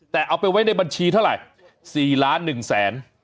แต่เอาไปไว้ในบัญชีเท่าไหร่๔ล้าน๑แสน